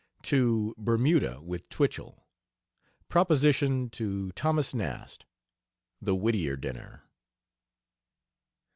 TO BERMUDA WITH TWICHELL. PROPOSITION TO TH. NAST. THE WHITTIER DINNER.